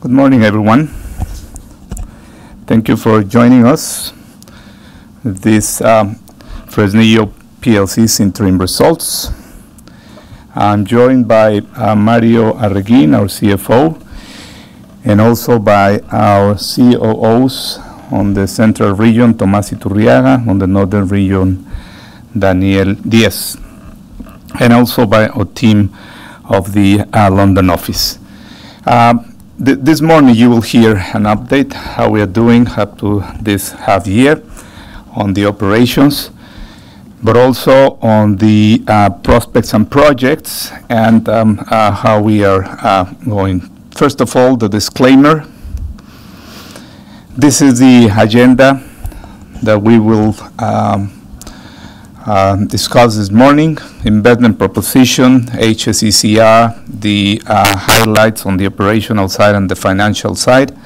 Good morning, everyone. Thank you for joining us. This is Fresnillo PLC's interim results. I'm joined by Mario Arreguín, our CFO, and also by our COOs on the central region, Tomás Iturriaga, on the northern region, Daniel Diez, and also by our team of the London office. This morning, you will hear an update on how we are doing up to this half year on the operations, but also on the prospects and projects and how we are going. First of all, the disclaimer. This is the agenda that we will discuss this morning: investment proposition, HSECR, the highlights on the operational side and the financial side,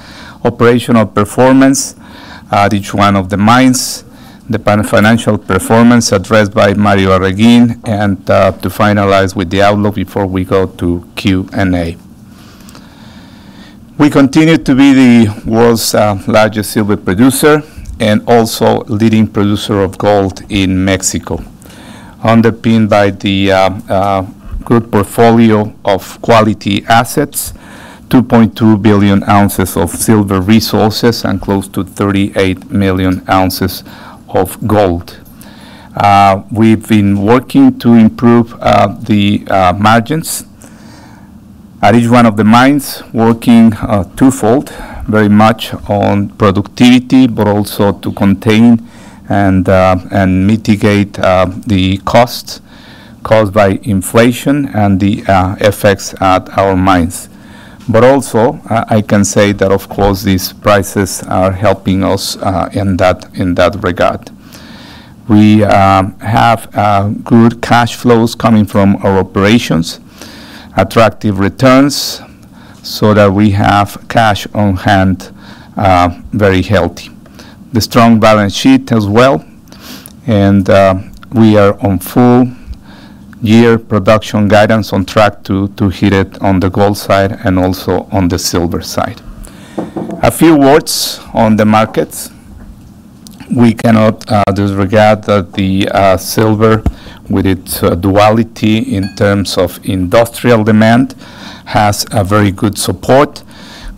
operational performance at each one of the mines, the financial performance addressed by Mario Arreguín, and to finalize with the outlook before we go to Q&A. We continue to be the world's largest silver producer and also leading producer of gold in Mexico, underpinned by the good portfolio of quality assets: 2.2 billion ounces of silver resources and close to 38 million ounces of gold. We've been working to improve the margins at each one of the mines, working twofold: very much on productivity, but also to contain and mitigate the costs caused by inflation and the effects at our mines. But also, I can say that, of course, these prices are helping us in that regard. We have good cash flows coming from our operations, attractive returns, so that we have cash on hand very healthy. The strong balance sheet as well, and we are on full-year production guidance on track to hit it on the gold side and also on the silver side. A few words on the markets. We cannot disregard that the silver, with its duality in terms of industrial demand, has very good support,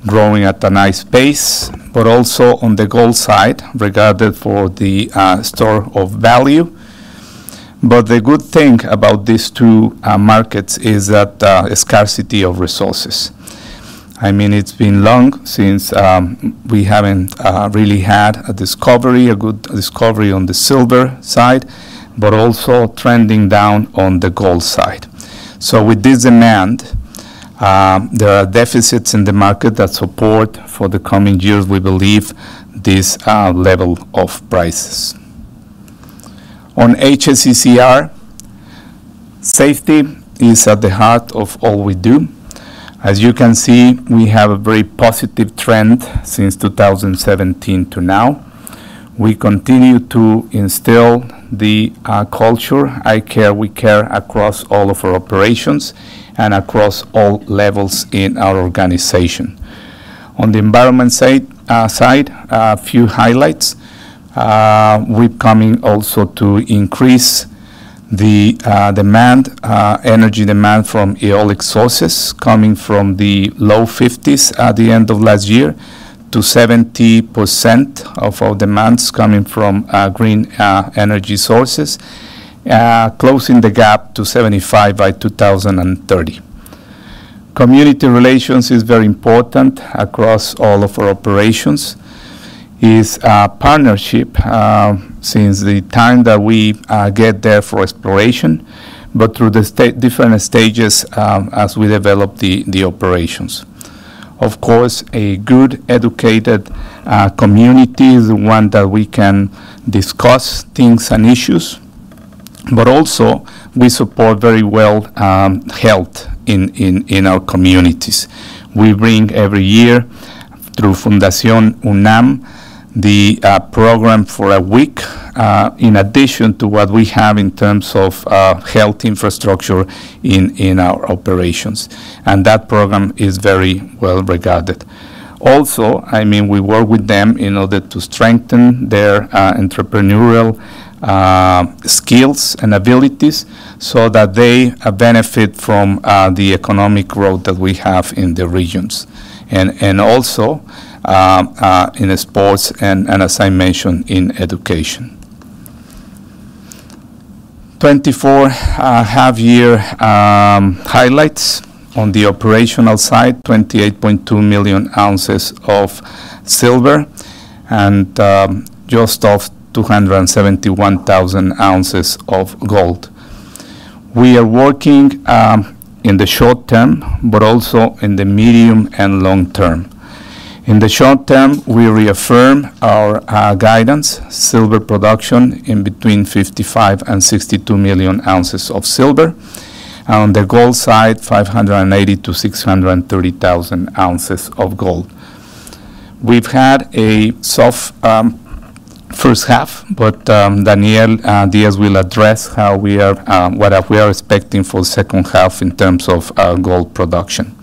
growing at a nice pace, but also on the gold side, regarded for the store of value. But the good thing about these two markets is that scarcity of resources. I mean, it's been long since we haven't really had a discovery, a good discovery on the silver side, but also trending down on the gold side. So with this demand, there are deficits in the market that support for the coming years, we believe, this level of prices. On HSECR, safety is at the heart of all we do. As you can see, we have a very positive trend since 2017 to now. We continue to instill the culture: I Care, We Care across all of our operations and across all levels in our organization. On the environment side, a few highlights. We're coming also to increase the demand, energy demand from eolic sources coming from the low 50s% at the end of last year to 70% of our demands coming from green energy sources, closing the gap to 75% by 2030. Community relations is very important across all of our operations. It's a partnership since the time that we get there for exploration, but through the different stages as we develop the operations. Of course, a good, educated community is the one that we can discuss things and issues, but also we support very well health in our communities. We bring every year through Fundación UNAM the program for a week in addition to what we have in terms of health infrastructure in our operations. And that program is very well regarded. Also, I mean, we work with them in order to strengthen their entrepreneurial skills and abilities so that they benefit from the economic growth that we have in the regions and also in sports and, as I mentioned, in education. 24.5-year highlights on the operational side: 28.2 million ounces of silver and just off 271,000 ounces of gold. We are working in the short term, but also in the medium and long term. In the short term, we reaffirm our guidance: silver production in between 55 and 62 million ounces of silver. On the gold side, 580,000-630,000 ounces of gold. We've had a soft first half, but Daniel Diez will address what we are expecting for the second half in terms of gold production.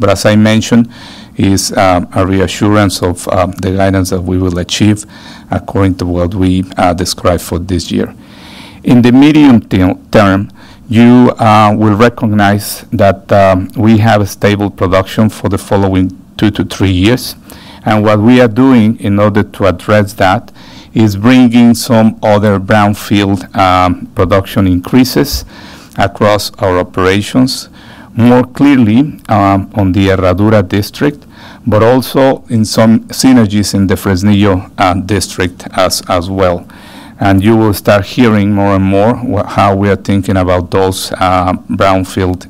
But as I mentioned, it's a reassurance of the guidance that we will achieve according to what we described for this year. In the medium term, you will recognize that we have a stable production for the following two to three years. What we are doing in order to address that is bringing some other brownfield production increases across our operations more clearly on the Herradura district, but also in some synergies in the Fresnillo district as well. And you will start hearing more and more how we are thinking about those brownfield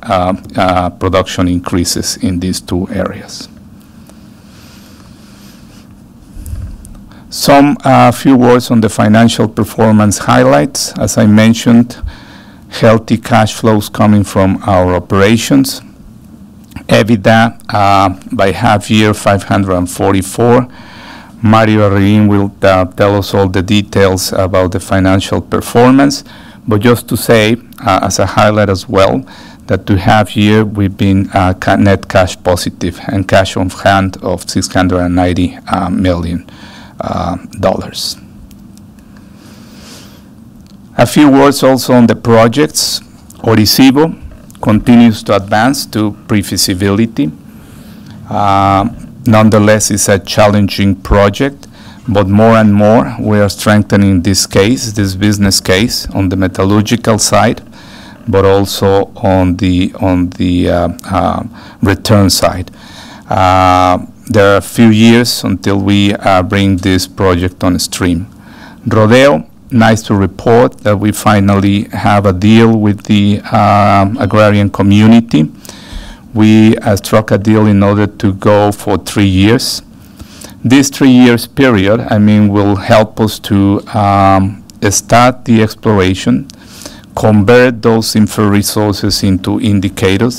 production increases in these two areas. Some few words on the financial performance highlights. As I mentioned, healthy cash flows coming from our operations. EBITDA by half year, $544 million. Mario Arreguín will tell us all the details about the financial performance. But just to say, as a highlight as well, that to half year, we've been net cash positive and cash on hand of $690 million. A few words also on the projects. Orisyvo continues to advance to prefeasibility. Nonetheless, it's a challenging project, but more and more we are strengthening this case, this business case on the metallurgical side, but also on the return side. There are a few years until we bring this project on stream. Rodeo, nice to report that we finally have a deal with the agrarian community. We struck a deal in order to go for three years. This three-year period, I mean, will help us to start the exploration, convert those inferred resources into indicated,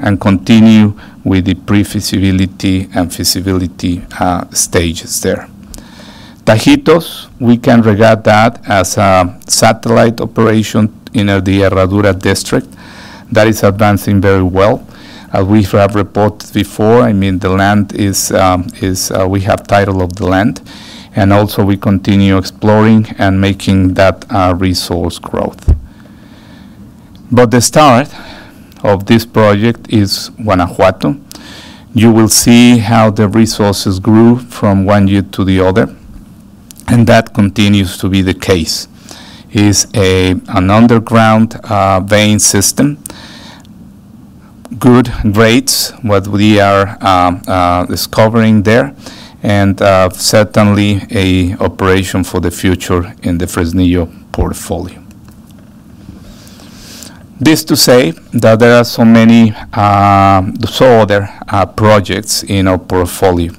and continue with the prefeasibility and feasibility stages there. Tajitos, we can regard that as a satellite operation in the Herradura district that is advancing very well. As we have reported before, I mean, the land, we have title of the land, and also we continue exploring and making that resource growth. But the start of this project is Guanajuato. You will see how the resources grew from one year to the other, and that continues to be the case. It's an underground vein system, good rates, what we are discovering there, and certainly an operation for the future in the Fresnillo portfolio. This to say that there are so many other projects in our portfolio,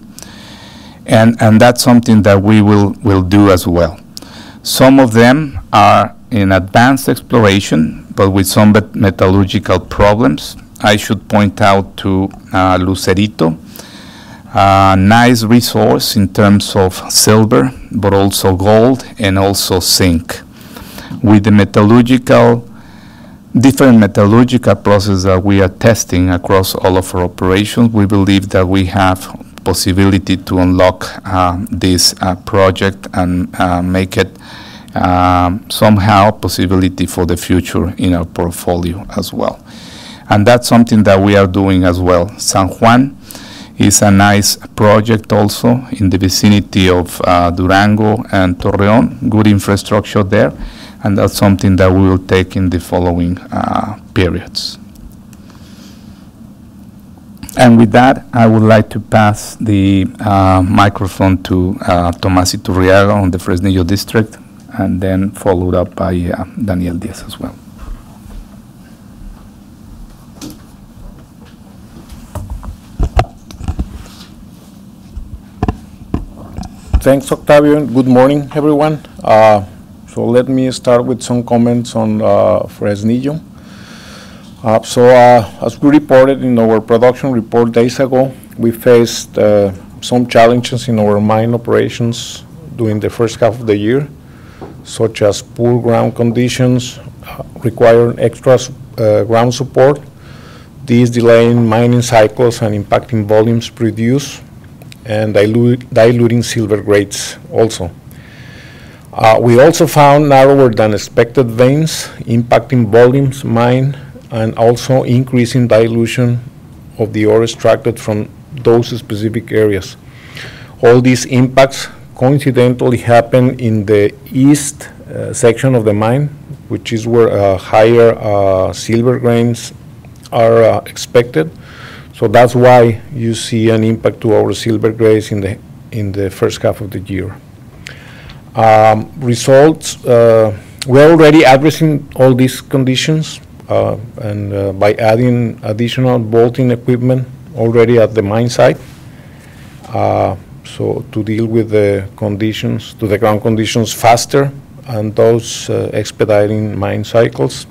and that's something that we will do as well. Some of them are in advanced exploration, but with some metallurgical problems. I should point out to Lucerito, a nice resource in terms of silver, but also gold, and also zinc. With the different metallurgical processes that we are testing across all of our operations, we believe that we have the possibility to unlock this project and make it somehow a possibility for the future in our portfolio as well. That's something that we are doing as well. San Juan is a nice project also in the vicinity of Durango and Torreón, good infrastructure there, and that's something that we will take in the following periods. With that, I would like to pass the microphone to Tomás Iturriaga on the Fresnillo district, and then followed up by Daniel Diez as well. Thanks, Octavio. Good morning, everyone. Let me start with some comments on Fresnillo. As we reported in our production report days ago, we faced some challenges in our mine operations during the first half of the year, such as poor ground conditions requiring extra ground support, these delaying mining cycles and impacting volumes produced, and diluting silver grades also. We also found narrower than expected veins impacting volumes mined and also increasing dilution of the ore extracted from those specific areas. All these impacts coincidentally happen in the east section of the mine, which is where higher silver grades are expected. That's why you see an impact to our silver grades in the first half of the year. Results, we're already addressing all these conditions by adding additional bolting equipment already at the mine site, so to deal with the conditions, to the ground conditions faster and those expediting mine cycles,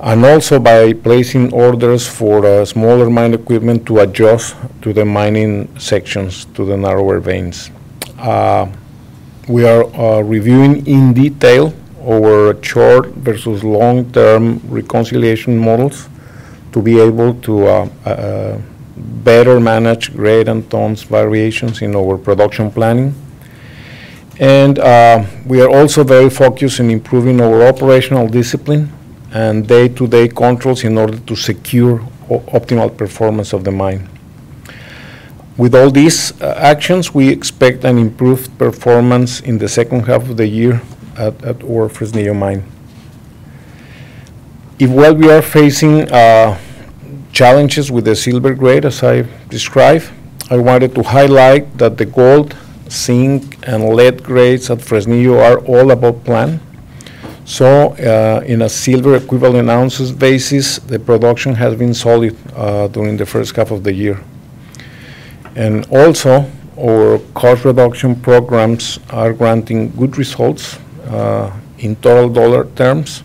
and also by placing orders for smaller mine equipment to adjust to the mining sections, to the narrower veins. We are reviewing in detail our short versus long-term reconciliation models to be able to better manage grade and tonnes variations in our production planning. We are also very focused on improving our operational discipline and day-to-day controls in order to secure optimal performance of the mine. With all these actions, we expect an improved performance in the second half of the year at our Fresnillo mine. If while we are facing challenges with the silver grade, as I described, I wanted to highlight that the gold, zinc, and lead grades at Fresnillo are all above plan. So in a silver equivalent ounces basis, the production has been solid during the first half of the year. And also, our cost reduction programs are granting good results in total dollar terms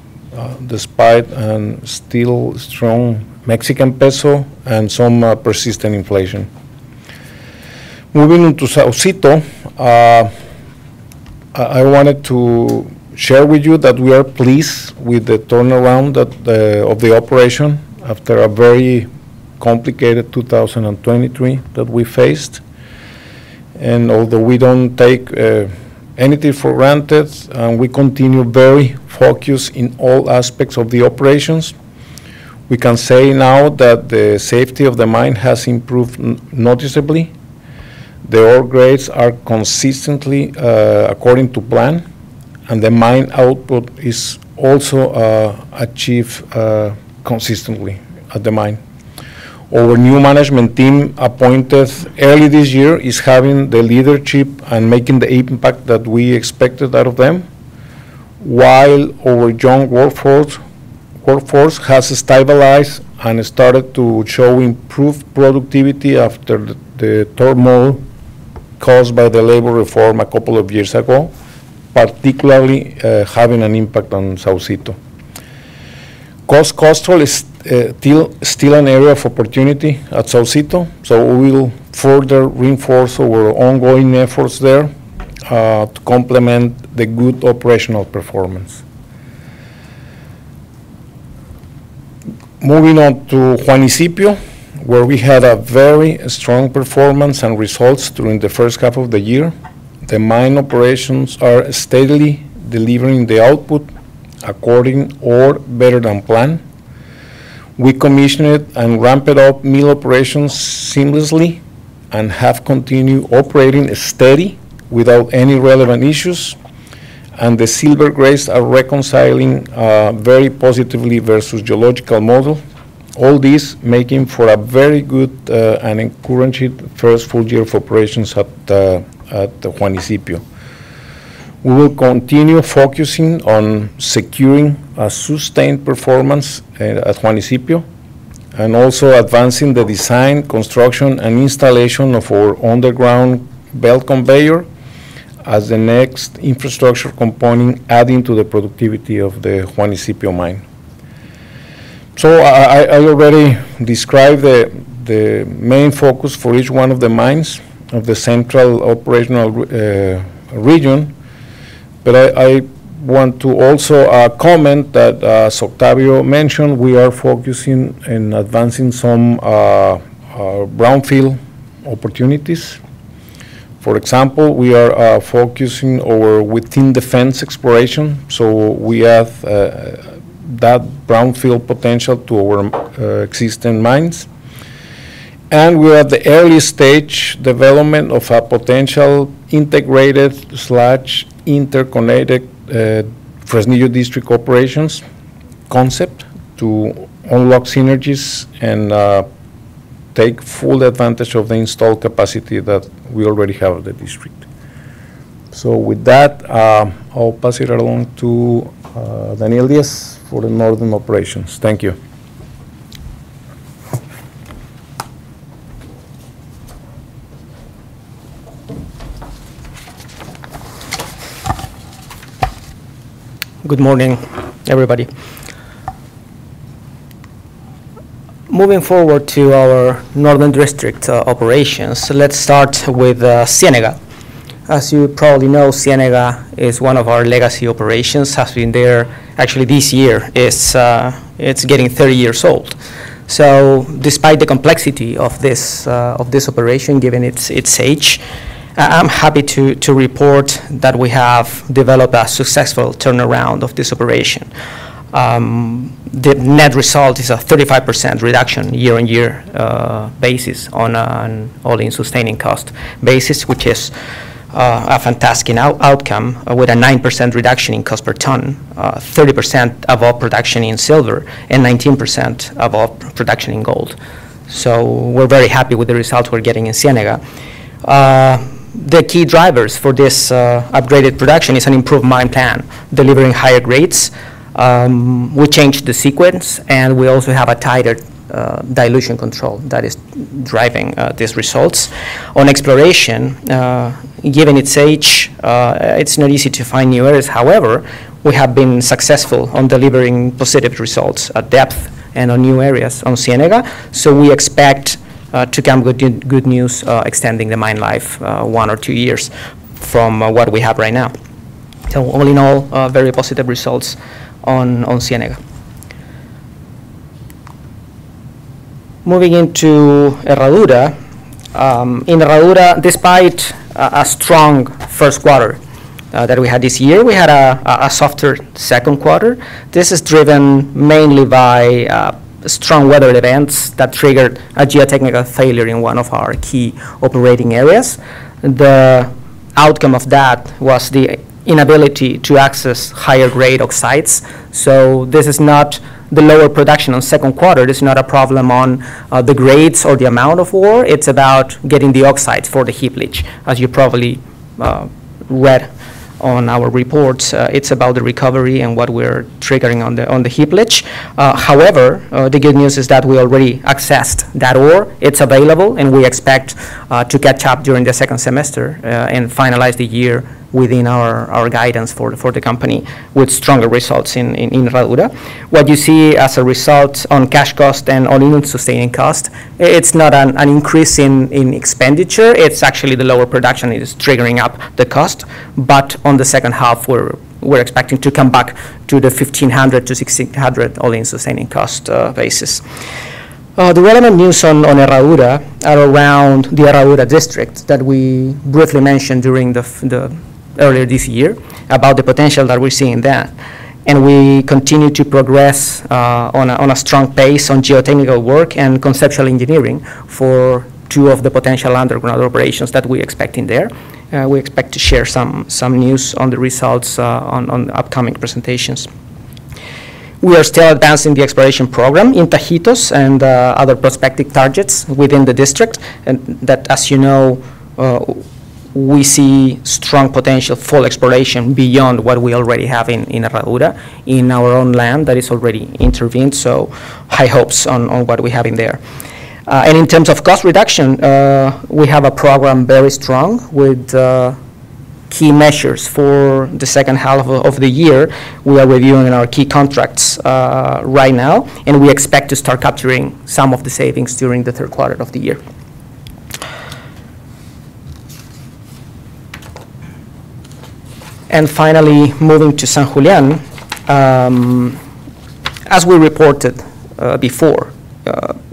despite a still strong Mexican peso and some persistent inflation. Moving on to Saucito, I wanted to share with you that we are pleased with the turnaround of the operation after a very complicated 2023 that we faced. And although we don't take anything for granted and we continue very focused in all aspects of the operations, we can say now that the safety of the mine has improved noticeably. The ore grades are consistently according to plan, and the mine output is also achieved consistently at the mine. Our new management team appointed early this year is having the leadership and making the impact that we expected out of them, while our young workforce has stabilized and started to show improved productivity after the turmoil caused by the labor reform a couple of years ago, particularly having an impact on Saucito. Cost control is still an area of opportunity at Saucito, so we will further reinforce our ongoing efforts there to complement the good operational performance. Moving on to Juanicipio, where we had a very strong performance and results during the first half of the year. The mine operations are steadily delivering the output according or better than planned. We commissioned and ramped up mill operations seamlessly and have continued operating steady without any relevant issues, and the silver grades are reconciling very positively versus geological model, all these making for a very good and encouraging first full year of operations at Juanicipio. We will continue focusing on securing a sustained performance at Juanicipio and also advancing the design, construction, and installation of our underground belt conveyor as the next infrastructure component adding to the productivity of the Juanicipio mine. I already described the main focus for each one of the mines of the central operational region, but I want to also comment that, as Octavio mentioned, we are focusing in advancing some brownfield opportunities. For example, we are focusing our within-district exploration, so we have that brownfield potential to our existing mines. We are at the early stage development of a potential integrated or interconnected Fresnillo district operations concept to unlock synergies and take full advantage of the installed capacity that we already have at the district. With that, I'll pass it along to Daniel Diez for the northern operations. Thank you. Good morning, everybody. Moving forward to our northern district operations, let's start with Ciénega. As you probably know, Ciénega is one of our legacy operations, has been there actually this year. It's getting 30 years old. So despite the complexity of this operation, given its age, I'm happy to report that we have developed a successful turnaround of this operation. The net result is a 35% reduction year-over-year basis on an all-in sustaining cost basis, which is a fantastic outcome with a 9% reduction in cost per ton, 30% of all production in silver, and 19% of all production in gold. So we're very happy with the results we're getting in Ciénega. The key drivers for this upgraded production is an improved mine plan, delivering higher grades. We changed the sequence, and we also have a tighter dilution control that is driving these results. On exploration, given its age, it's not easy to find new areas. However, we have been successful on delivering positive results at depth and on new areas on Saucito. So we expect to come with good news extending the mine life one or two years from what we have right now. So all in all, very positive results on Saucito. Moving into Herradura. In Herradura, despite a strong first quarter that we had this year, we had a softer second quarter. This is driven mainly by strong weather events that triggered a geotechnical failure in one of our key operating areas. The outcome of that was the inability to access higher-grade oxides. So this is not the lower production on second quarter. It's not a problem on the grades or the amount of ore. It's about getting the oxides for the heap leach. As you probably read on our reports, it's about the recovery and what we're triggering on the heap leach. However, the good news is that we already accessed that ore. It's available, and we expect to catch up during the second semester and finalize the year within our guidance for the company with stronger results in Herradura. What you see as a result on cash cost and all-in sustaining cost, it's not an increase in expenditure. It's actually the lower production is triggering up the cost. But on the second half, we're expecting to come back to the $1,500-$1,600 all-in sustaining cost basis. The relevant news on Herradura are around the Herradura district that we briefly mentioned during the earlier this year about the potential that we're seeing there. And we continue to progress on a strong pace on geotechnical work and conceptual engineering for two of the potential underground operations that we expect in there. We expect to share some news on the results on upcoming presentations. We are still advancing the exploration program in Tajitos and other prospective targets within the district. And that, as you know, we see strong potential for exploration beyond what we already have in Herradura in our own land that is already intervened. So high hopes on what we have in there. And in terms of cost reduction, we have a program very strong with key measures for the second half of the year. We are reviewing our key contracts right now, and we expect to start capturing some of the savings during the third quarter of the year. And finally, moving to San Julián. As we reported before,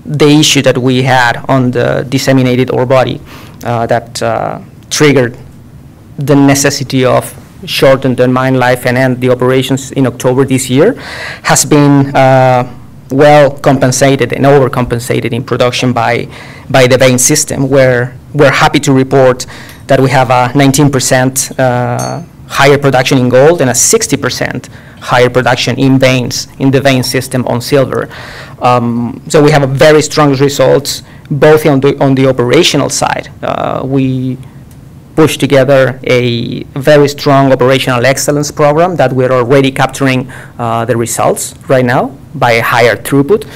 the issue that we had on the disseminated ore body that triggered the necessity of shortened mine life and end the operations in October this year has been well compensated and overcompensated in production by the vein system, where we're happy to report that we have a 19% higher production in gold and a 60% higher production in veins in the vein system on silver. So we have very strong results both on the operational side. We pushed together a very strong operational excellence program that we're already capturing the results right now by higher throughput.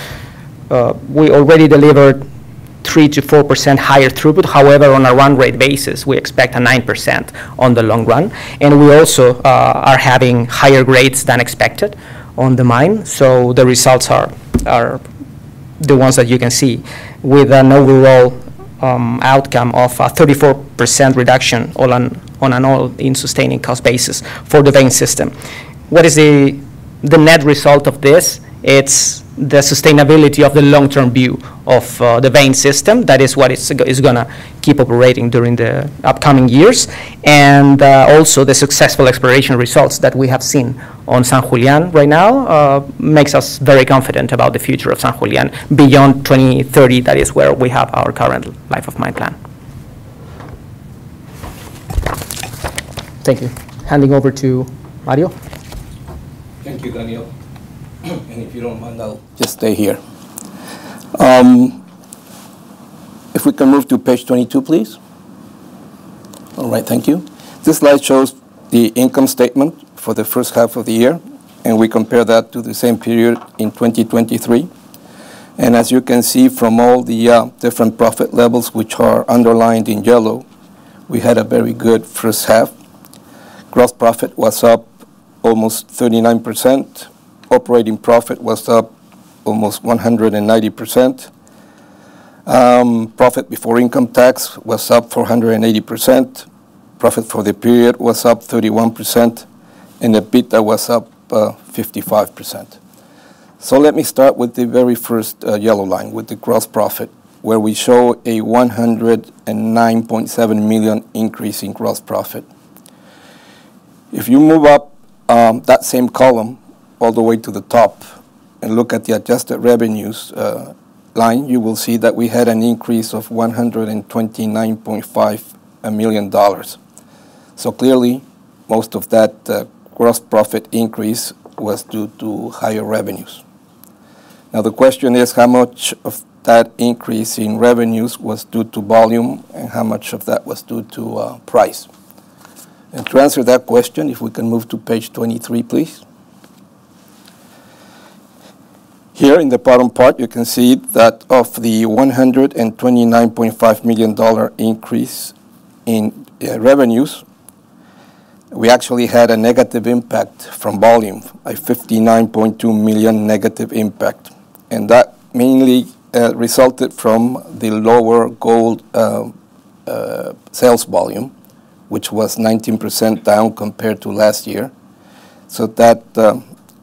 We already delivered 3%-4% higher throughput. However, on a run rate basis, we expect a 9% on the long run. And we also are having higher grades than expected on the mine. So the results are the ones that you can see with an overall outcome of a 34% reduction on an all-in sustaining cost basis for the vein system. What is the net result of this? It's the sustainability of the long-term view of the vein system. That is what is going to keep operating during the upcoming years. Also, the successful exploration results that we have seen on San Julián right now makes us very confident about the future of San Julián beyond 2030. That is where we have our current life of mine plan. Thank you. Handing over to Mario. Thank you, Daniel. If you don't mind, I'll just stay here. If we can move to page 22, please. All right. Thank you. This slide shows the income statement for the first half of the year, and we compare that to the same period in 2023. As you can see from all the different profit levels, which are underlined in yellow, we had a very good first half. Gross profit was up almost 39%. Operating profit was up almost 190%. Profit before income tax was up 480%. Profit for the period was up 31%, and EBITDA was up 55%. Let me start with the very first yellow line with the gross profit, where we show a $109.7 million increase in gross profit. If you move up that same column all the way to the top and look at the adjusted revenues line, you will see that we had an increase of $129.5 million. So clearly, most of that gross profit increase was due to higher revenues. Now, the question is, how much of that increase in revenues was due to volume, and how much of that was due to price? And to answer that question, if we can move to page 23, please. Here in the bottom part, you can see that of the $129.5 million increase in revenues, we actually had a negative impact from volume, a $59.2 million negative impact. And that mainly resulted from the lower gold sales volume, which was 19% down compared to last year. So that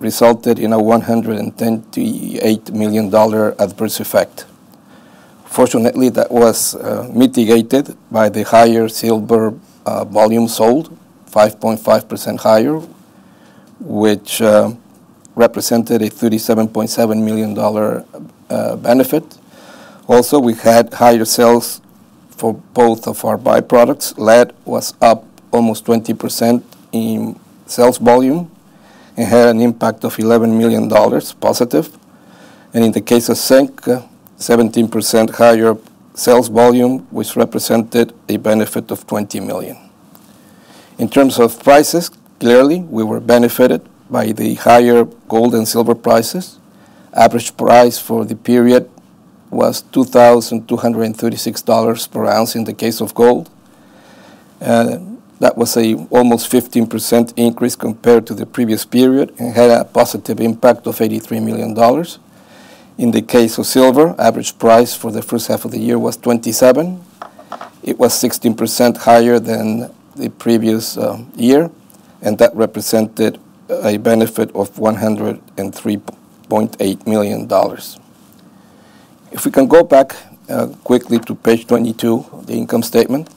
resulted in a $128 million adverse effect. Fortunately, that was mitigated by the higher silver volume sold, 5.5% higher, which represented a $37.7 million benefit. Also, we had higher sales for both of our byproducts. Lead was up almost 20% in sales volume and had an impact of $11 million positive. In the case of zinc, 17% higher sales volume, which represented a benefit of $20 million. In terms of prices, clearly, we were benefited by the higher gold and silver prices. Average price for the period was $2,236 per ounce in the case of gold. That was an almost 15% increase compared to the previous period and had a positive impact of $83 million. In the case of silver, average price for the first half of the year was $27. It was 16% higher than the previous year, and that represented a benefit of $103.8 million. If we can go back quickly to page 22 of the income statement.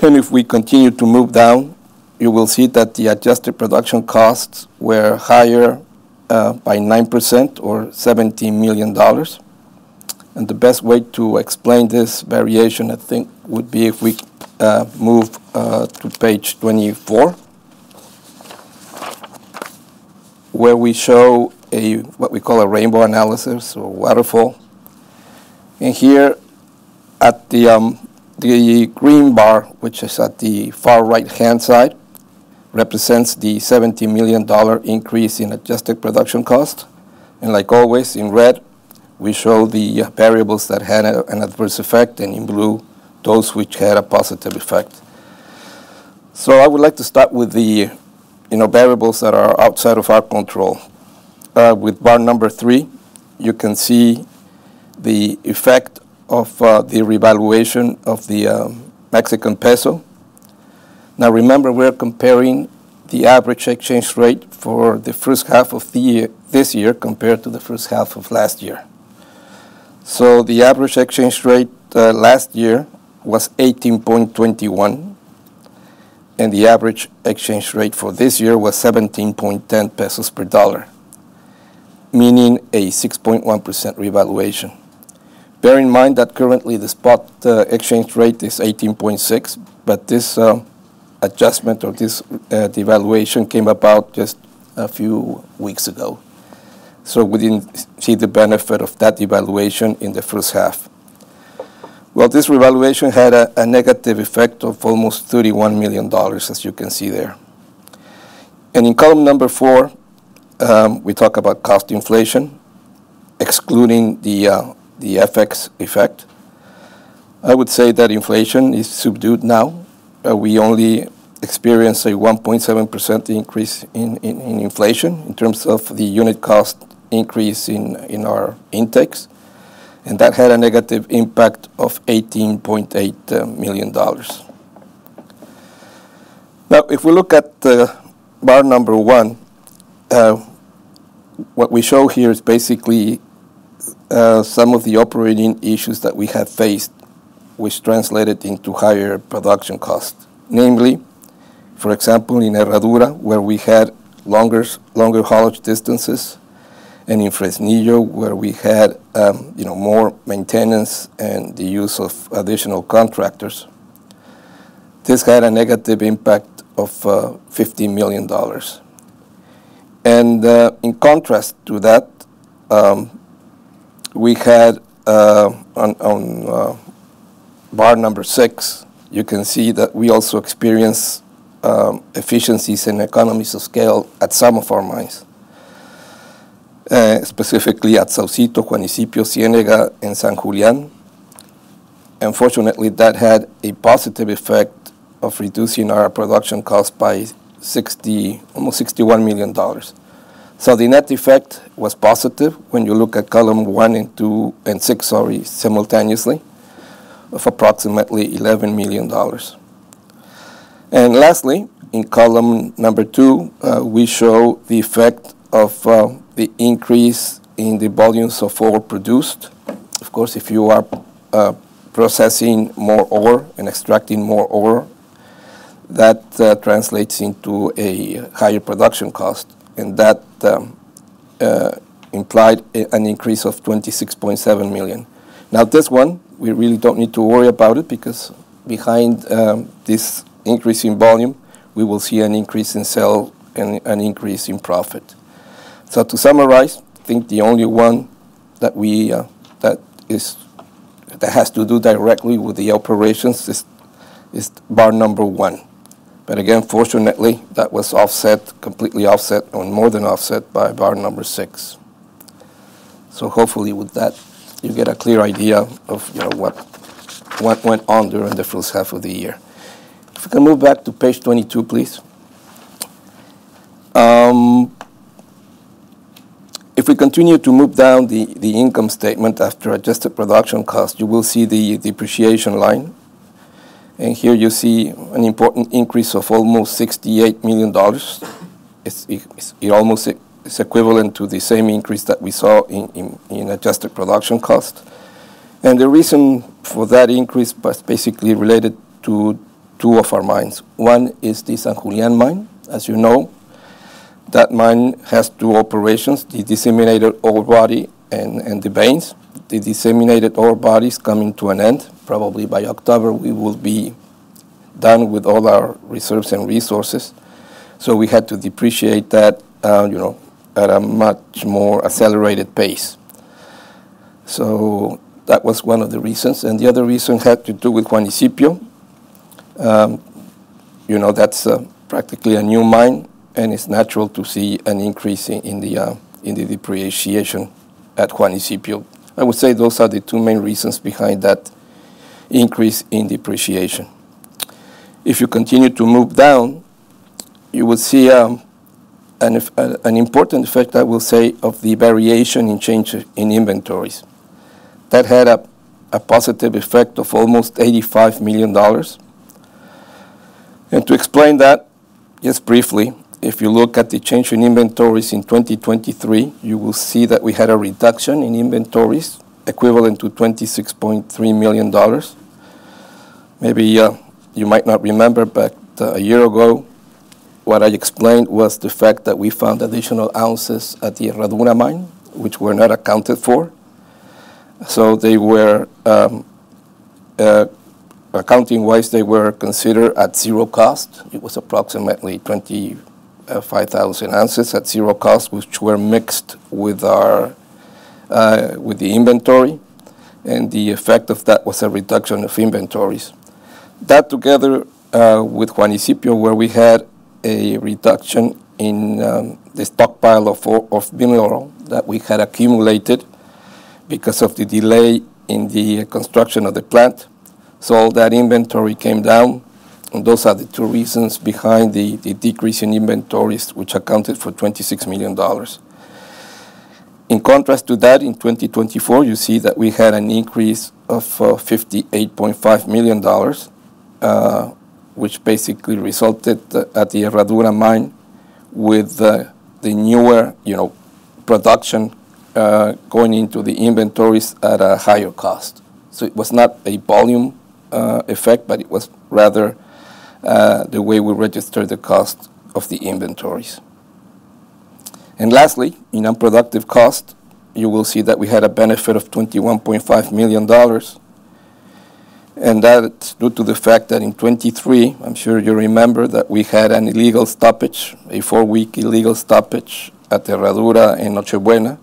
If we continue to move down, you will see that the adjusted production costs were higher by 9% or $17 million. The best way to explain this variation, I think, would be if we move to page 24, where we show what we call a rainbow analysis or waterfall. Here, the green bar, which is at the far right-hand side, represents the $17 million increase in adjusted production cost. Like always, in red, we show the variables that had an adverse effect, and in blue, those which had a positive effect. I would like to start with the variables that are outside of our control. With bar number three, you can see the effect of the revaluation of the Mexican peso. Now, remember, we're comparing the average exchange rate for the first half of this year compared to the first half of last year. So the average exchange rate last year was 18.21, and the average exchange rate for this year was 17.10 pesos per dollar, meaning a 6.1% revaluation. Bear in mind that currently the spot exchange rate is 18.6, but this adjustment or this devaluation came about just a few weeks ago. So we didn't see the benefit of that devaluation in the first half. Well, this revaluation had a negative effect of almost $31 million, as you can see there. In column number four, we talk about cost inflation, excluding the FX effect. I would say that inflation is subdued now. We only experience a 1.7% increase in inflation in terms of the unit cost increase in our intakes. And that had a negative impact of $18.8 million. Now, if we look at bar number one, what we show here is basically some of the operating issues that we have faced, which translated into higher production costs. Namely, for example, in Herradura, where we had longer haulage distances, and in Fresnillo, where we had more maintenance and the use of additional contractors, this had a negative impact of $15 million. And in contrast to that, we had on bar number six, you can see that we also experienced efficiencies and economies of scale at some of our mines, specifically at Saucito, Juanicipio, Ciénega, and San Julián. Unfortunately, that had a positive effect of reducing our production cost by almost $61 million. So the net effect was positive when you look at column one and two and six, sorry, simultaneously, of approximately $11 million. Lastly, in column number two, we show the effect of the increase in the volumes of ore produced. Of course, if you are processing more ore and extracting more ore, that translates into a higher production cost. And that implied an increase of $26.7 million. Now, this one, we really don't need to worry about it because behind this increase in volume, we will see an increase in sale and an increase in profit. So to summarize, I think the only one that has to do directly with the operations is bar number one. But again, fortunately, that was offset, completely offset, or more than offset by bar number six. So hopefully, with that, you get a clear idea of what went on during the first half of the year. If we can move back to page 22, please. If we continue to move down the income statement after adjusted production cost, you will see the depreciation line. Here you see an important increase of almost $68 million. It's equivalent to the same increase that we saw in adjusted production cost. The reason for that increase was basically related to two of our mines. One is the San Julián mine. As you know, that mine has two operations, the disseminated ore body and the veins. The disseminated ore body is coming to an end. Probably by October, we will be done with all our reserves and resources. We had to depreciate that at a much more accelerated pace. That was one of the reasons. The other reason had to do with Juanicipio. That's practically a new mine, and it's natural to see an increase in the depreciation at Juanicipio. I would say those are the two main reasons behind that increase in depreciation. If you continue to move down, you will see an important effect, I will say, of the variation in changes in inventories. That had a positive effect of almost $85 million. And to explain that, just briefly, if you look at the change in inventories in 2023, you will see that we had a reduction in inventories equivalent to $26.3 million. Maybe you might not remember, but a year ago, what I explained was the fact that we found additional ounces at the Herradura mine, which were not accounted for. So accounting-wise, they were considered at zero cost. It was approximately 25,000 ounces at zero cost, which were mixed with the inventory. And the effect of that was a reduction of inventories. That together with Juanicipio, where we had a reduction in the stockpile of mineral that we had accumulated because of the delay in the construction of the plant. So that inventory came down. Those are the two reasons behind the decrease in inventories, which accounted for $26 million. In contrast to that, in 2024, you see that we had an increase of $58.5 million, which basically resulted at the Herradura mine with the newer production going into the inventories at a higher cost. So it was not a volume effect, but it was rather the way we registered the cost of the inventories. Lastly, in unproductive cost, you will see that we had a benefit of $21.5 million. That's due to the fact that in 2023, I'm sure you remember that we had an illegal stoppage, a four-week illegal stoppage at Herradura and Noche Buena.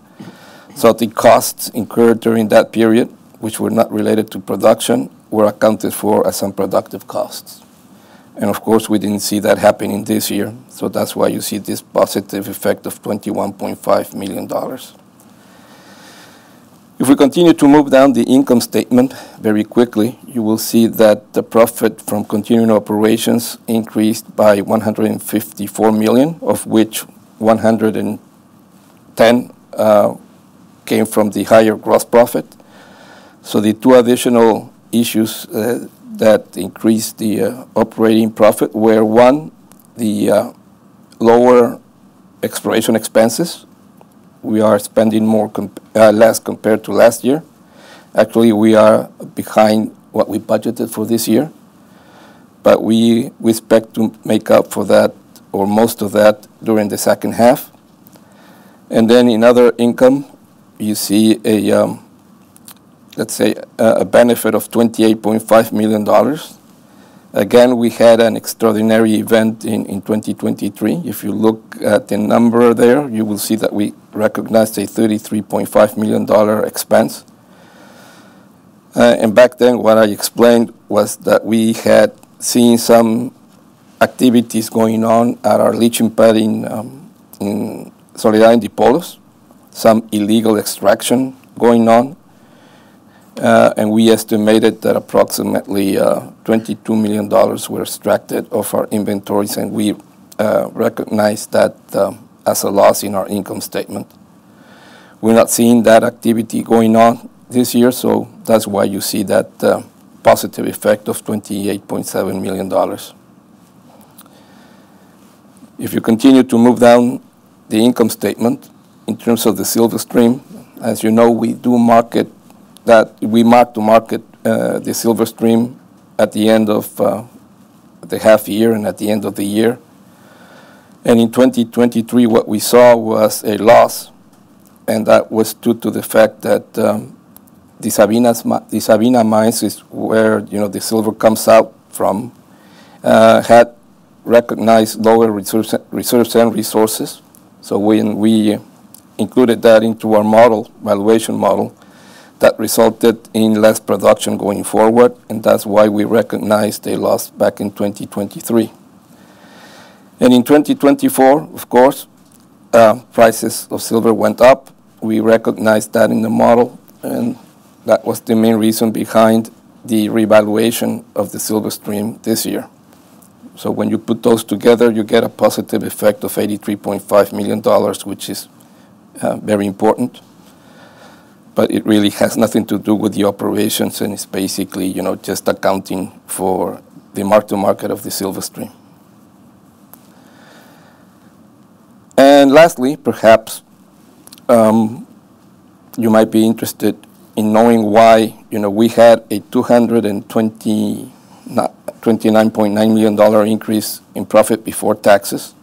So the costs incurred during that period, which were not related to production, were accounted for as unproductive costs. And of course, we didn't see that happening this year. So that's why you see this positive effect of $21.5 million. If we continue to move down the income statement very quickly, you will see that the profit from continuing operations increased by $154 million, of which $110 million came from the higher gross profit. So the two additional issues that increased the operating profit were, one, the lower exploration expenses. We are spending less compared to last year. Actually, we are behind what we budgeted for this year, but we expect to make up for that, or most of that, during the second half. And then in other income, you see, let's say, a benefit of $28.5 million. Again, we had an extraordinary event in 2023. If you look at the number there, you will see that we recognized a $33.5 million expense. Back then, what I explained was that we had seen some activities going on at our leaching pad in Soledad and Dipolos, some illegal extraction going on. We estimated that approximately $22 million were extracted of our inventories, and we recognized that as a loss in our income statement. We're not seeing that activity going on this year, so that's why you see that positive effect of $28.7 million. If you continue to move down the income statement, in terms of the Silverstream, as you know, we do mark it that we mark-to-market the Silverstream at the end of the half year and at the end of the year. In 2023, what we saw was a loss, and that was due to the fact that the Sabinas mines, where the silver comes out from, had recognized lower reserves and resources. So when we included that into our model, valuation model, that resulted in less production going forward, and that's why we recognized a loss back in 2023. In 2024, of course, prices of silver went up. We recognized that in the model, and that was the main reason behind the revaluation of the Silverstream this year. So when you put those together, you get a positive effect of $83.5 million, which is very important. But it really has nothing to do with the operations, and it's basically just accounting for the mark-to-market of the Silverstream. Lastly, perhaps you might be interested in knowing why we had a $229.9 million increase in profit before taxes.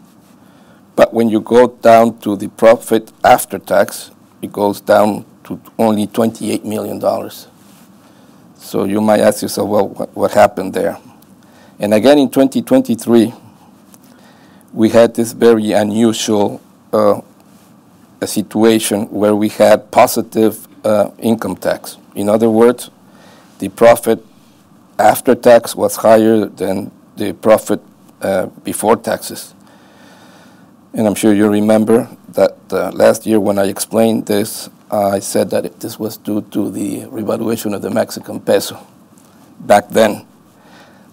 When you go down to the profit after tax, it goes down to only $28 million. You might ask yourself, well, what happened there? In 2023, we had this very unusual situation where we had positive income tax. In other words, the profit after tax was higher than the profit before taxes. I'm sure you remember that last year when I explained this, I said that this was due to the revaluation of the Mexican peso back then.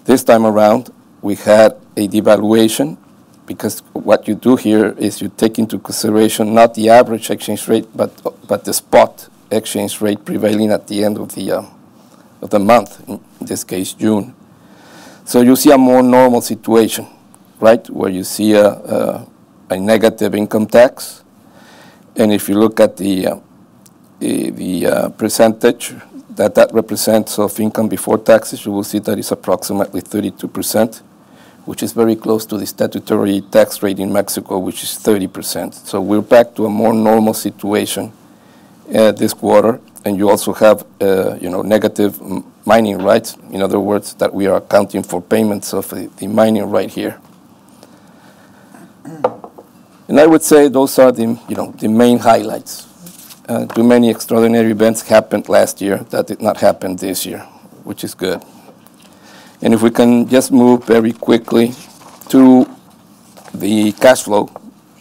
This time around, we had a devaluation because what you do here is you take into consideration not the average exchange rate, but the spot exchange rate prevailing at the end of the month, in this case, June. You see a more normal situation, right, where you see a negative income tax. If you look at the percentage that that represents of income before taxes, you will see that it's approximately 32%, which is very close to the statutory tax rate in Mexico, which is 30%. So we're back to a more normal situation this quarter, and you also have negative mining rights. In other words, that we are accounting for payments of the mining right here. And I would say those are the main highlights. Too many extraordinary events happened last year that did not happen this year, which is good. If we can just move very quickly to the cash flow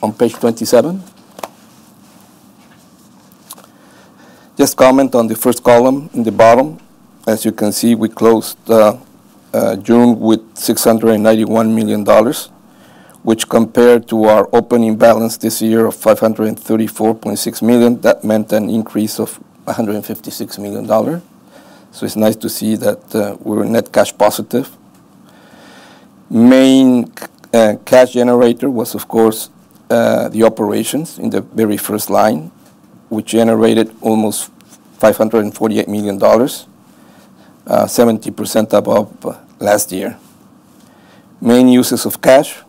on page 27. Just comment on the first column in the bottom. As you can see, we closed June with $691 million, which compared to our opening balance this year of $534.6 million, that meant an increase of $156 million. It's nice to see that we're net cash positive. Main cash generator was, of course, the operations in the very first line, which generated almost $548 million, 70% above last year. Main uses of cash,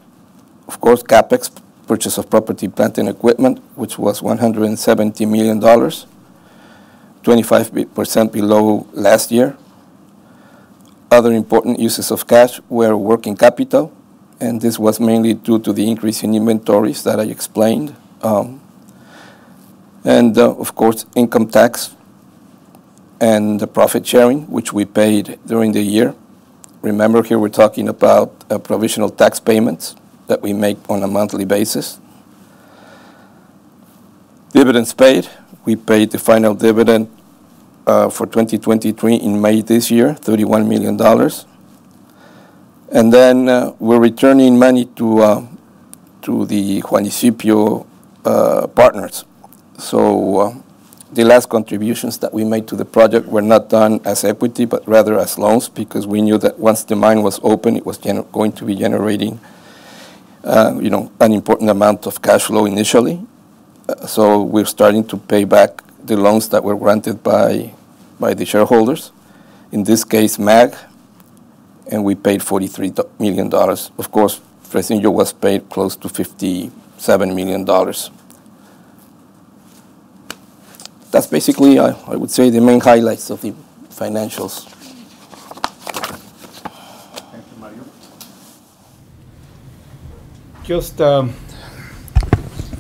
of course, CapEx, purchase of property, plant, and equipment, which was $170 million, 25% below last year. Other important uses of cash were working capital, and this was mainly due to the increase in inventories that I explained. And of course, income tax and the profit sharing, which we paid during the year. Remember, here we're talking about provisional tax payments that we make on a monthly basis. Dividends paid. We paid the final dividend for 2023 in May this year, $31 million. And then we're returning money to the Juanicipio partners. So the last contributions that we made to the project were not done as equity, but rather as loans because we knew that once the mine was open, it was going to be generating an important amount of cash flow initially. So we're starting to pay back the loans that were granted by the shareholders, in this case, MAG, and we paid $43 million. Of course, Fresnillo was paid close to $57 million. That's basically, I would say, the main highlights of the financials. Thank you, Mario. Just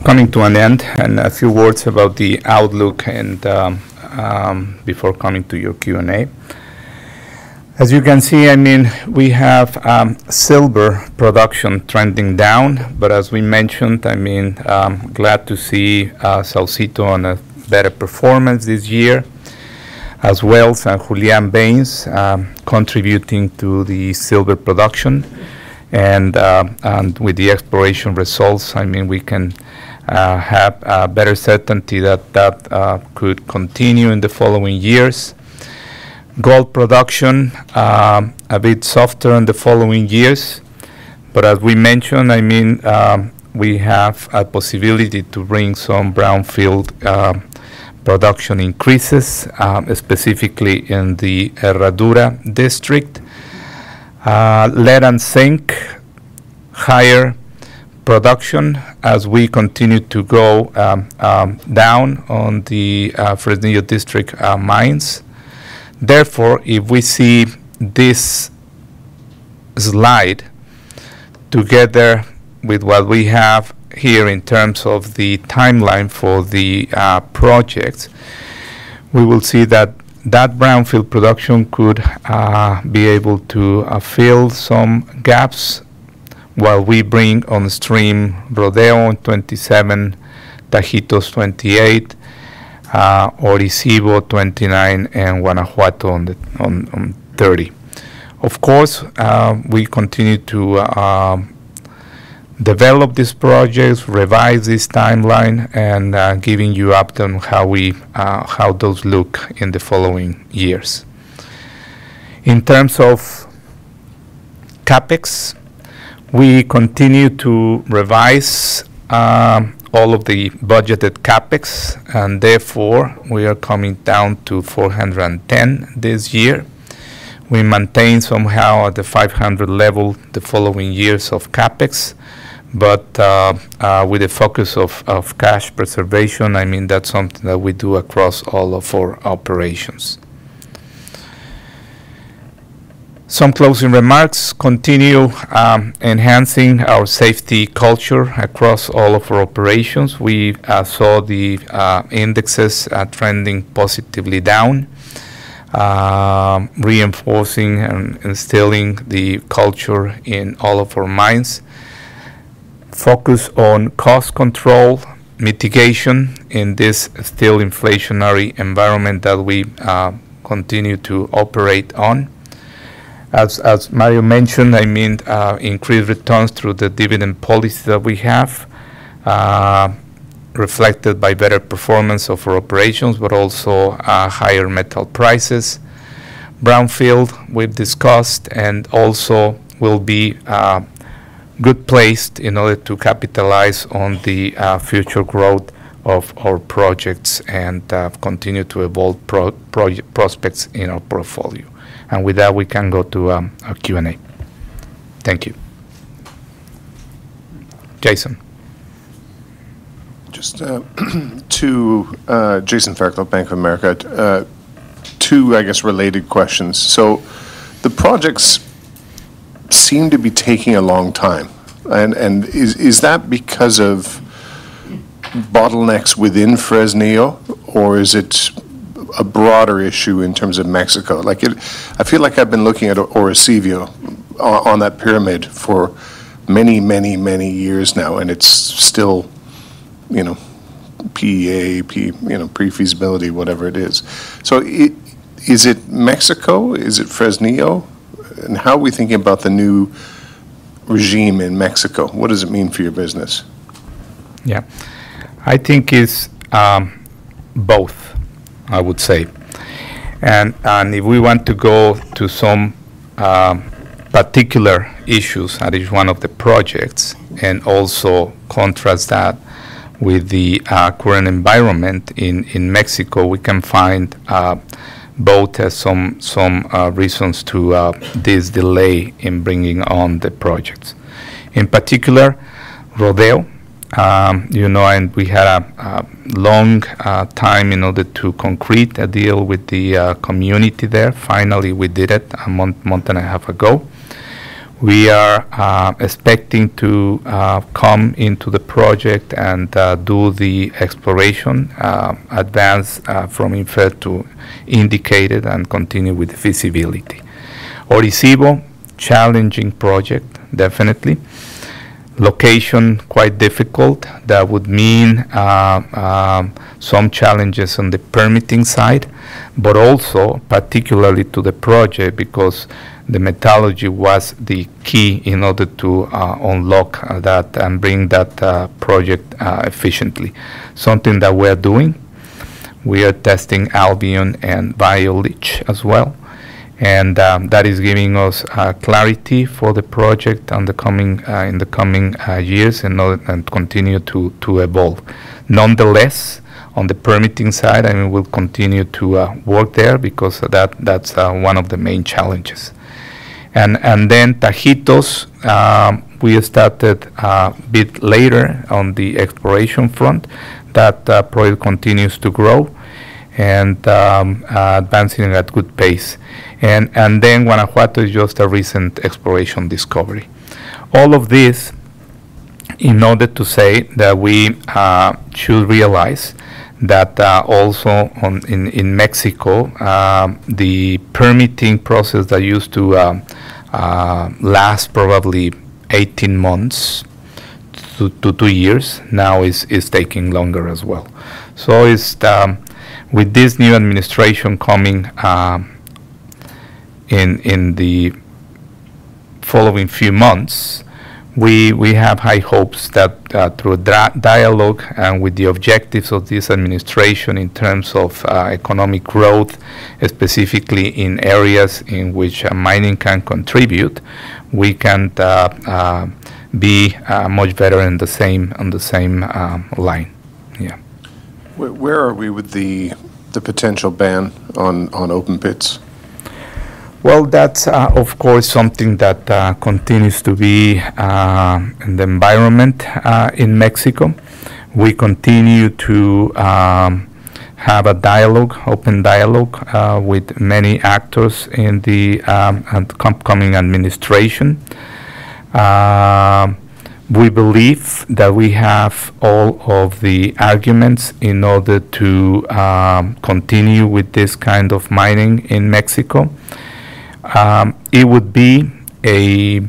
coming to an end and a few words about the outlook before coming to your Q&A. As you can see, I mean, we have silver production trending down, but as we mentioned, I mean, glad to see Saucito on a better performance this year, as well as San Julián Veins contributing to the silver production. And with the exploration results, I mean, we can have better certainty that that could continue in the following years. Gold production a bit softer in the following years, but as we mentioned, I mean, we have a possibility to bring some brownfield production increases, specifically in the Herradura district. Lead and zinc higher production as we continue to go down on the Fresnillo district mines. Therefore, if we see this slide together with what we have here in terms of the timeline for the projects, we will see that that brownfield production could be able to fill some gaps while we bring on stream Rodeo in 2027, Tajitos in 2028, Orisyvo in 2029, and Guanajuato in 2030. Of course, we continue to develop these projects, revise this timeline, and giving you update on how those look in the following years. In terms of CapEx, we continue to revise all of the budgeted CapEx, and therefore, we are coming down to $410 million this year. We maintain somehow at the $500 million level the following years of CapEx, but with the focus of cash preservation, I mean, that's something that we do across all of our operations. Some closing remarks. Continue enhancing our safety culture across all of our operations. We saw the indexes trending positively down, reinforcing and instilling the culture in all of our mines. Focus on cost control mitigation in this still inflationary environment that we continue to operate on. As Mario mentioned, I mean, increased returns through the dividend policy that we have, reflected by better performance of our operations, but also higher metal prices. Brownfield we've discussed and also will be good placed in order to capitalize on the future growth of our projects and continue to evolve prospects in our portfolio. And with that, we can go to a Q&A. Thank you. Jason. Just to Jason Fairclough, Bank of America, two, I guess, related questions. So the projects seem to be taking a long time. And is that because of bottlenecks within Fresnillo, or is it a broader issue in terms of Mexico? I feel like I've been looking at Orisyvo on that pyramid for many, many, many years now, and it's still PEA, pre-feasibility, whatever it is. So is it Mexico? Is it Fresnillo? And how are we thinking about the new regime in Mexico? What does it mean for your business? Yeah. I think it's both, I would say. If we want to go to some particular issues at each one of the projects and also contrast that with the current environment in Mexico, we can find both as some reasons to this delay in bringing on the projects. In particular, Rodeo, and we had a long time in order to conclude a deal with the community there. Finally, we did it a month and a half ago. We are expecting to come into the project and do the exploration advance from inferred to indicated and continue with feasibility. Orisyvo, challenging project, definitely. Location quite difficult. That would mean some challenges on the permitting side, but also particularly to the project because the metallurgy was the key in order to unlock that and bring that project efficiently. Something that we are doing. We are testing Albion and bioleach as well. That is giving us clarity for the project in the coming years and continue to evolve. Nonetheless, on the permitting side, I mean, we'll continue to work there because that's one of the main challenges. And then Tajitos, we started a bit later on the exploration front. That project continues to grow and advancing at good pace. And then Guanajuato is just a recent exploration discovery. All of this in order to say that we should realize that also in Mexico, the permitting process that used to last probably 18 months to two years now is taking longer as well. So with this new administration coming in the following few months, we have high hopes that through dialogue and with the objectives of this administration in terms of economic growth, specifically in areas in which mining can contribute, we can be much better on the same line. Yeah. Where are we with the potential ban on open pits? Well, that's, of course, something that continues to be in the environment in Mexico. We continue to have a dialogue, open dialogue with many actors in the upcoming administration. We believe that we have all of the arguments in order to continue with this kind of mining in Mexico. It would be a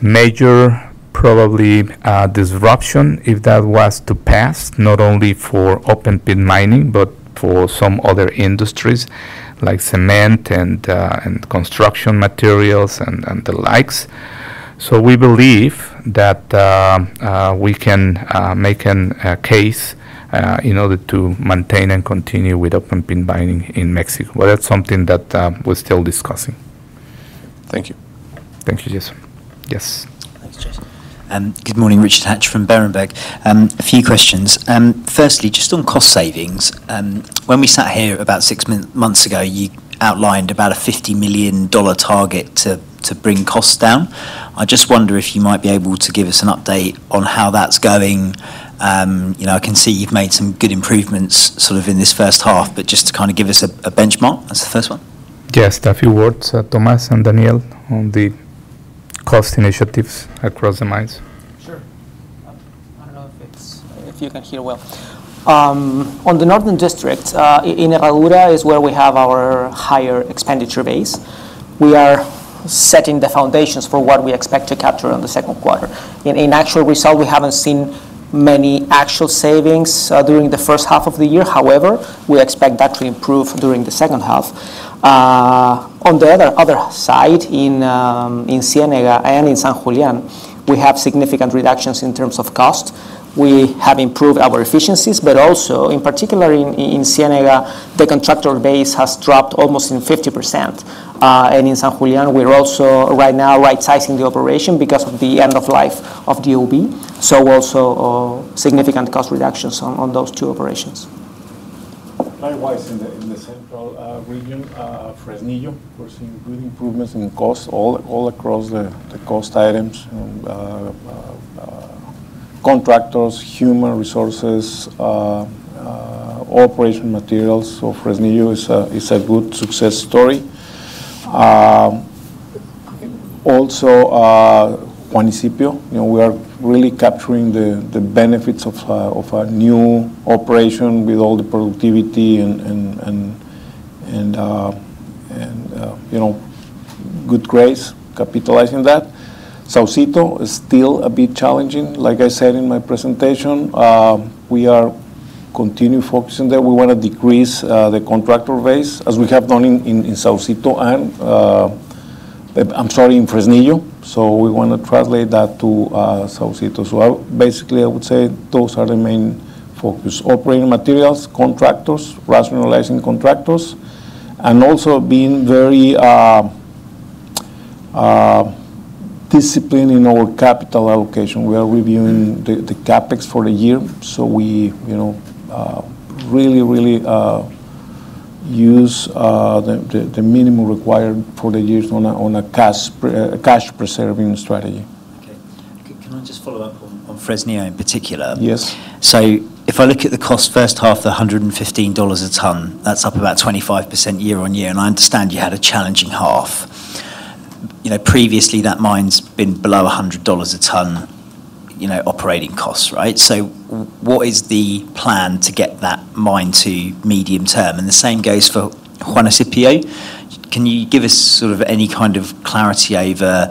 major probably disruption if that was to pass, not only for open pit mining, but for some other industries like cement and construction materials and the likes. So we believe that we can make a case in order to maintain and continue with open pit mining in Mexico. But that's something that we're still discussing. Thank you. Thank you, Jason. Yes. Thanks, Jason. Good morning, Richard Hatch from Berenberg. A few questions. Firstly, just on cost savings. When we sat here about six months ago, you outlined about a $50 million target to bring costs down. I just wonder if you might be able to give us an update on how that's going. I can see you've made some good improvements sort of in this first half, but just to kind of give us a benchmark as the first one. Yes, a few words, Tomás and Daniel, on the cost initiatives across the mines. Sure. I don't know if you can hear well. On the northern district, in Herradura is where we have our higher expenditure base. We are setting the foundations for what we expect to capture in the second quarter. In actual result, we haven't seen many actual savings during the first half of the year. However, we expect that to improve during the second half. On the other side, in Ciénega and in San Julián, we have significant reductions in terms of cost. We have improved our efficiencies, but also in particular in Ciénega, the contractor base has dropped almost in 50%. And in San Julián, we're also right now right-sizing the operation because of the end of life of DOB. So also significant cost reductions on those two operations. Likewise, in the central region, Fresnillo, we're seeing good improvements in costs all across the cost items, contractors, human resources, operation materials. So Fresnillo is a good success story. Also, Juanicipio, we are really capturing the benefits of a new operation with all the productivity and good grades, capitalizing that. Saucito is still a bit challenging. Like I said in my presentation, we are continuing to focus on that. We want to decrease the contractor base as we have done in Saucito and, I'm sorry, in Fresnillo. So we want to translate that to Saucito. So basically, I would say those are the main focus: operating materials, contractors, rationalizing contractors, and also being very disciplined in our capital allocation. We are reviewing the CapEx for the year. So we really, really use the minimum required for the years on a cash-preserving strategy. Okay. Can I just follow up on Fresnillo in particular? Yes. So if I look at the cost first half, the $115 a ton, that's up about 25% year-on-year. And I understand you had a challenging half. Previously, that mine's been below $100 a ton operating costs, right? So what is the plan to get that mine to medium term? And the same goes for Juanicipio. Can you give us sort of any kind of clarity over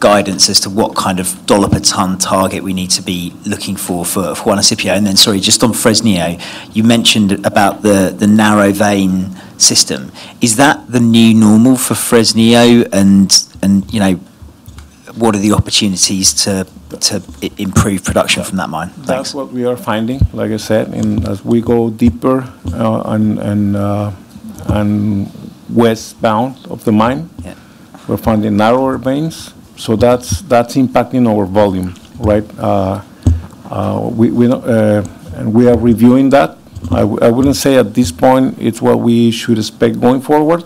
guidance as to what kind of dollar per ton target we need to be looking for for Juanicipio? And then, sorry, just on Fresnillo, you mentioned about the narrow vein system. Is that the new normal for Fresnillo? And what are the opportunities to improve production from that mine? That's what we are finding. Like I said, as we go deeper and westbound of the mine, we're finding narrower veins. So that's impacting our volume, right? And we are reviewing that. I wouldn't say at this point it's what we should expect going forward.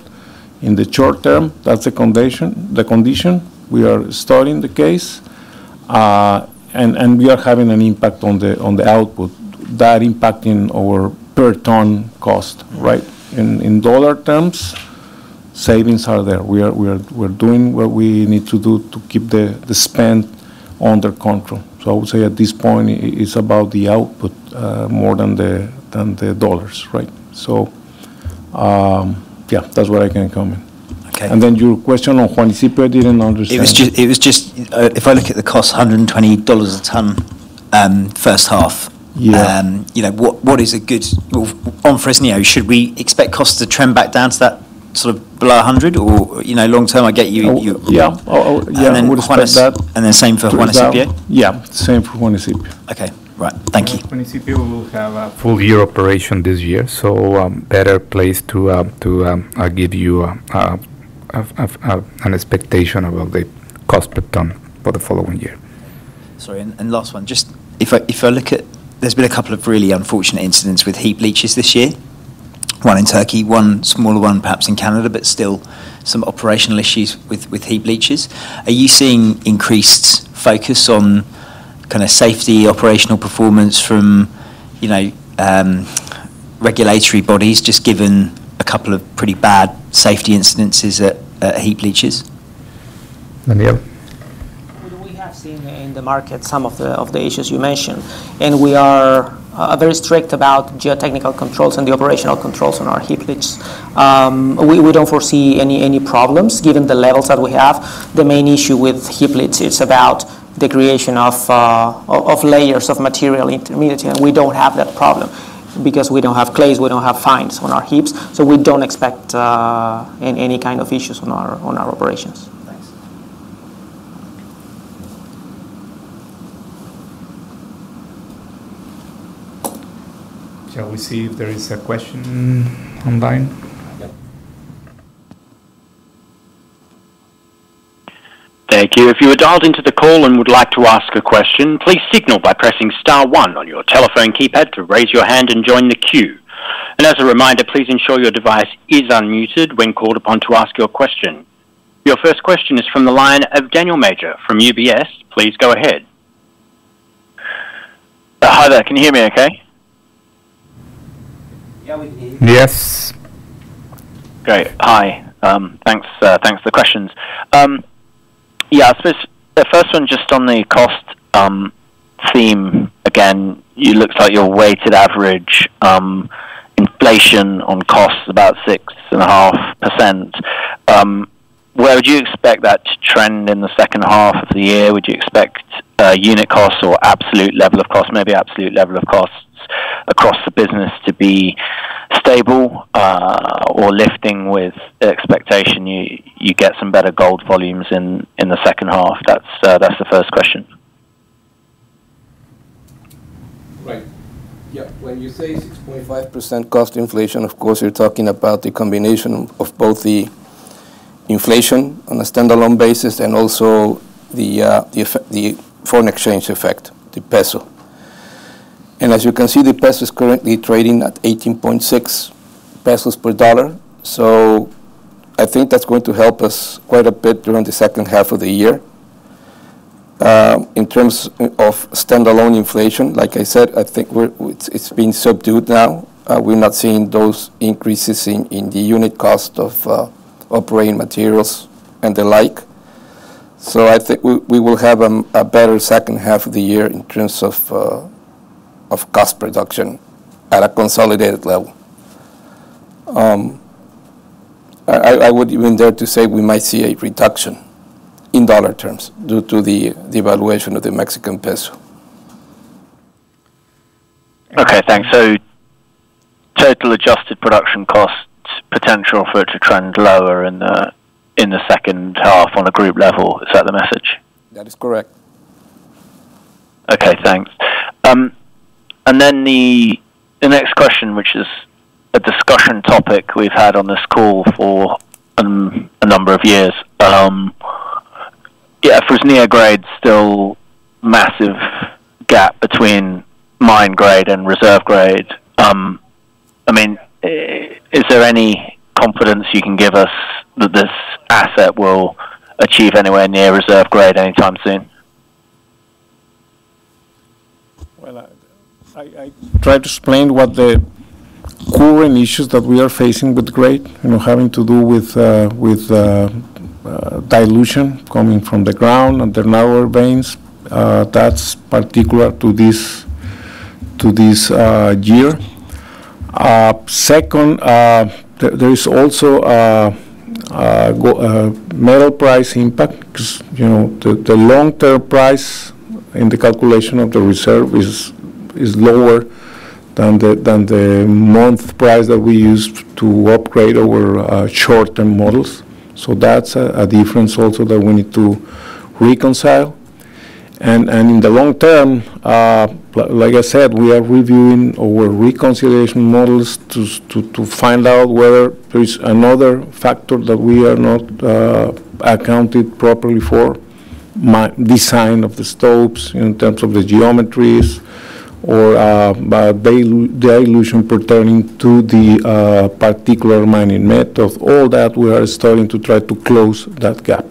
In the short term, that's the condition. We are studying the case. And we are having an impact on the output. That impacting our per ton cost, right? In dollar terms, savings are there. We're doing what we need to do to keep the spend under control. So I would say at this point, it's about the output more than the dollars, right? So yeah, that's what I can comment. And then your question on Juanicipio, I didn't understand. It was just if I look at the cost, $120 a ton first half, what is a good on Fresnillo, should we expect costs to trend back down to that sort of below 100? Or long term, I get you. Yeah. Yeah. We'll trend up. And then same for Juanicipio? Yeah. Same for Juanicipio. Okay. Right. Thank you. Juanicipio will have a full year operation this year. So better place to give you an expectation about the cost per ton for the following year. Sorry. And last one. Just if I look at, there's been a couple of really unfortunate incidents with heap leaches this year. One in Turkey, one smaller one perhaps in Canada, but still some operational issues with heap leaches. Are you seeing increased focus on kind of safety operational performance from regulatory bodies just given a couple of pretty bad safety incidents at heap leaches? Daniel. We have seen in the market some of the issues you mentioned. We are very strict about geotechnical controls and the operational controls on our heap leaches. We don't foresee any problems given the levels that we have. The main issue with heap leaches is about the creation of layers of material intermediate. We don't have that problem because we don't have clays, we don't have fines on our heaps. We don't expect any kind of issues on our operations. Thanks. Shall we see if there is a question online? Thank you. If you are dialed into the call and would like to ask a question, please signal by pressing star one on your telephone keypad to raise your hand and join the queue. And as a reminder, please ensure your device is unmuted when called upon to ask your question. Your first question is from the line of Daniel Major from UBS. Please go ahead. Hi there. Can you hear me okay? Yeah, we can hear you. Yes. Great. Hi. Thanks for the questions. Yeah. The first one just on the cost theme again, it looks like your weighted average inflation on costs about 6.5%. Where would you expect that to trend in the second half of the year? Would you expect unit costs or absolute level of costs, maybe absolute level of costs across the business to be stable or lifting with expectation you get some better gold volumes in the second half? That's the first question. Right. Yeah. When you say 6.5% cost inflation, of course, you're talking about the combination of both the inflation on a standalone basis and also the foreign exchange effect, the peso. As you can see, the peso is currently trading at 18.6 pesos per dollar. So I think that's going to help us quite a bit during the second half of the year. In terms of standalone inflation, like I said, I think it's been subdued now. We're not seeing those increases in the unit cost of operating materials and the like. So I think we will have a better second half of the year in terms of production costs at a consolidated level. I would even dare to say we might see a reduction in dollar terms due to the devaluation of the Mexican peso. Okay. Thanks. So total adjusted production costs potential for it to trend lower in the second half on a group level. Is that the message? That is correct. Okay. Thanks. And then the next question, which is a discussion topic we've had on this call for a number of years. Yeah. Fresnillo grade, still massive gap between mine grade and reserve grade. I mean, is there any confidence you can give us that this asset will achieve anywhere near reserve grade anytime soon? Well, I tried to explain what the current issues that we are facing with grade, having to do with dilution coming from the ground and the narrower veins. That's particular to this year. Second, there is also metal price impact because the long-term price in the calculation of the reserve is lower than the monthly price that we use to upgrade our short-term models. So that's a difference also that we need to reconcile. And in the long term, like I said, we are reviewing our reconciliation models to find out whether there is another factor that we are not accounted properly for, design of the stopes in terms of the geometries or dilution pertaining to the particular mining method. All that we are starting to try to close that gap.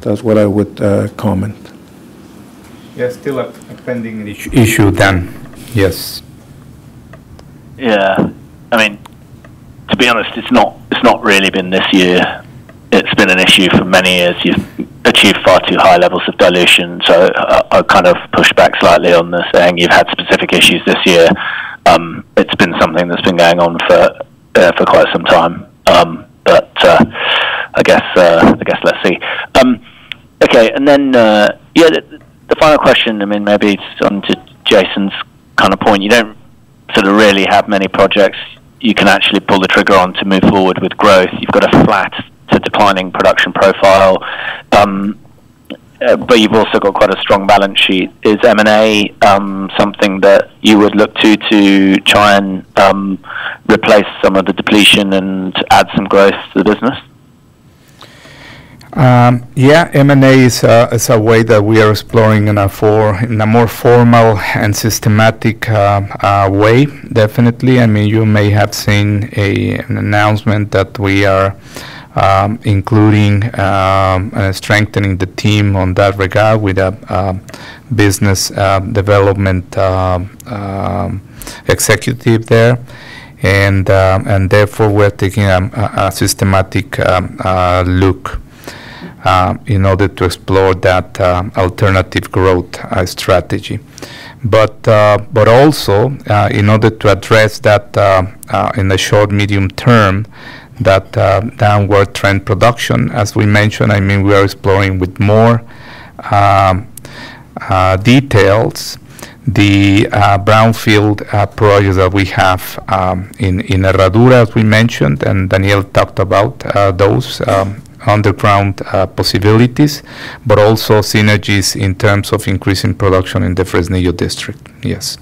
That's what I would comment. Yeah. Still a pending issue. Issue, then. Yes. Yeah. I mean, to be honest, it's not really been this year. It's been an issue for many years. You've achieved far too high levels of dilution. So I'll kind of push back slightly on the saying you've had specific issues this year. It's been something that's been going on for quite some time. But I guess let's see. Okay. And then, yeah, the final question, I mean, maybe it's on to Jason's kind of point. You don't sort of really have many projects you can actually pull the trigger on to move forward with growth. You've got a flat to declining production profile. But you've also got quite a strong balance sheet. Is M&A something that you would look to to try and replace some of the depletion and add some growth to the business? Yeah. M&A is a way that we are exploring in a more formal and systematic way, definitely. I mean, you may have seen an announcement that we are including and strengthening the team on that regard with a business development executive there. And therefore, we're taking a systematic look in order to explore that alternative growth strategy. But also, in order to address that in the short, medium term, that downward trend production, as we mentioned, I mean, we are exploring with more details the brownfield projects that we have in Herradura, as we mentioned, and Daniel talked about those underground possibilities, but also synergies in terms of increasing production in the Fresnillo district. Yes.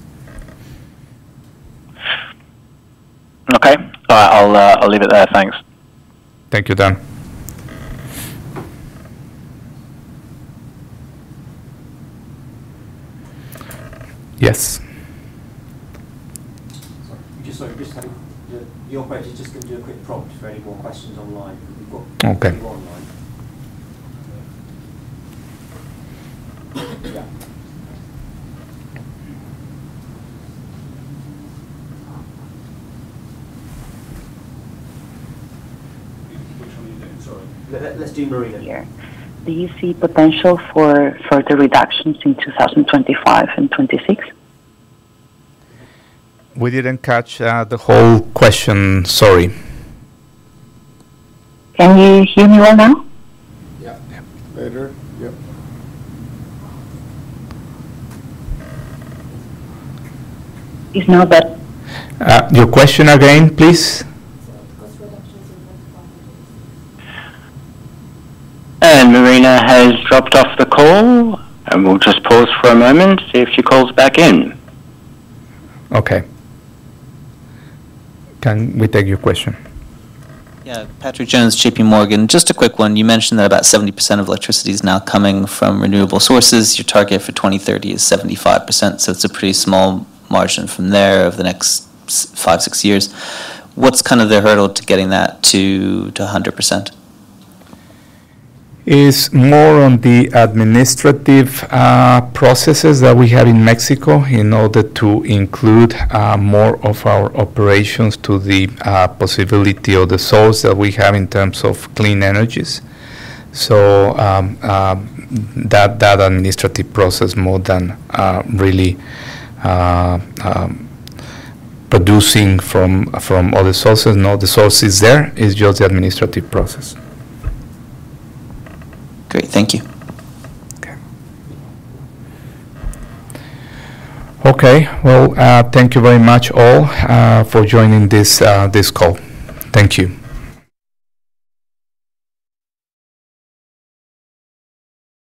Okay. I'll leave it there. Thanks. Thank you, Dan. Yes. Sorry. Just having your question, just going to do a quick prompt for any more questions online. We've got a few online. Yeah. Which one are you doing? Sorry. Let's do Marina. Yeah. Do you see potential for further reductions in 2025 and 2026? We didn't catch the whole question. Sorry. Can you hear me well now? Yeah. Is now better. Your question again, please. Marina has dropped off the call. We'll just pause for a moment, see if she calls back in. Okay. Can we take your question? Yeah. Patrick Jones, JPMorgan. Just a quick one. You mentioned that about 70% of electricity is now coming from renewable sources. Your target for 2030 is 75%. So it's a pretty small margin from there over the next five, six years. What's kind of the hurdle to getting that to 100%? It's more on the administrative processes that we have in Mexico in order to include more of our operations to the possibility of the source that we have in terms of clean energies. So that administrative process more than really producing from other sources. No, the source is there. It's just the administrative process. Great. Thank you. Okay. Okay. Well, thank you very much all for joining this call. Thank you.